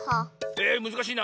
えむずかしいな。